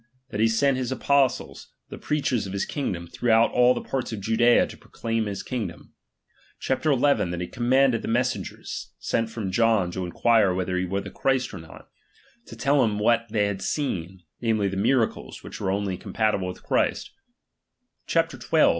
that he sent his apostles, ^H the preachers of his kingdom, throughout all the ^H parts of Judea to proclaim his kingdom : chap, xi., ^H that he commanded the messengers, sent from John ^H to enquire whether he were the Christ or not, to ^H tell him what they had seen, namely, the miracles ^H which were only compatible with Christ : chap, xii.